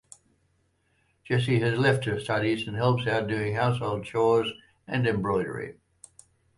Jessy has left her studies and helps out doing household chores and embroidery.